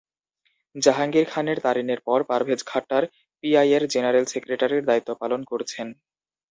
জাহাঙ্গীর খান তারিনের পর পারভেজ খাট্টার পিটিআইয়ের জেনারেল সেক্রেটারির দায়িত্ব পালন করছেন।